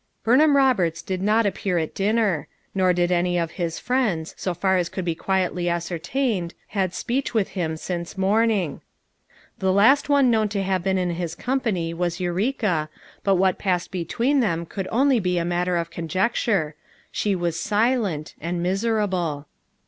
1 " Burnham Roberts did not appear at dinner; nor had any of his friends, so far as could be quietly ascertained, had speech with him since morning. The last one known to have been FOUR MOTHERS AT CHAUTAUQUA 361 in his company was Eureka, but what passed between them could only be a matter of con jecture. She was silent; and miserable.